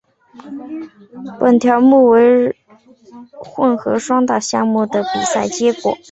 本条目为混合双打项目的比赛结果。